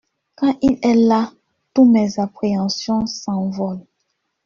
Quand il est là, toutes mes appréhensions s’envolent.